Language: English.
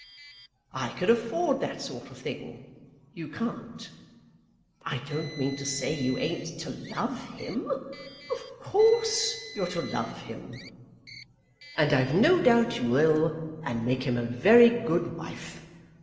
I can afford that sort of thing; you can't. I don't mean to say you ain't to love him. Of course, you're to love him; and I've no doubt you will, and make him a very good wife.